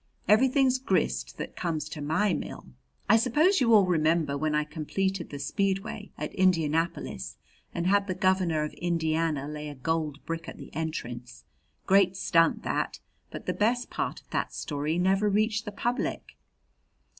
"Everything's grist that comes to my mill. I suppose you all remember when I completed the speedway at Indianapolis and had the Governor of Indiana lay a gold brick at the entrance? Great stunt that! But the best part of that story never reached the public."